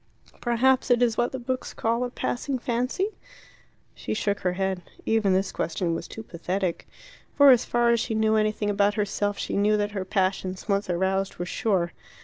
"Perhaps it is what the books call 'a passing fancy'?" She shook her head. Even this question was too pathetic. For as far as she knew anything about herself, she knew that her passions, once aroused, were sure.